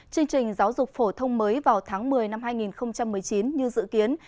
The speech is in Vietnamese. chương trình giáo dục phổ thông mới vào tháng một mươi năm hai nghìn một mươi chín như dự kiến